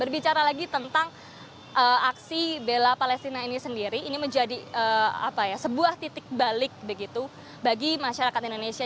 berbicara lagi tentang aksi bela palestina ini sendiri ini menjadi sebuah titik balik begitu bagi masyarakat indonesia